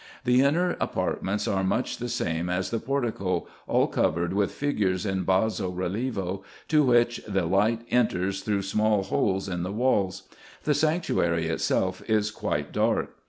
The inner apartments are much the same as the portico, all covered with figures in basso relievo, to which the light enters through small holes in the walls : the sanctuary itself is quite dark.